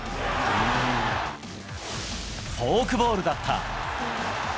フォークボールだった。